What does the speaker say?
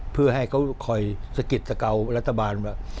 เพื่อให้เขาคอยสะกิดสะเการัฐบาลว่า